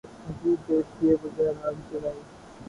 مزید دیر کئے بغیر آگ جلائی